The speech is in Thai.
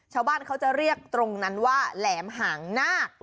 ชาวบ้านเขาจะเรียกตรงนั้นว่าแหลมหางนาค